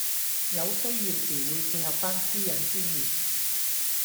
有需要時會配合番私隱專員